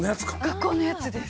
学校のやつです。